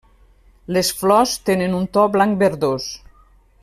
Les flors tenen un to blanc verdós.